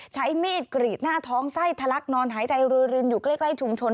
ใช้มีดกรีดหน้าท้องไส้ทะลักนอนหายใจรวยรินอยู่ใกล้ชุมชน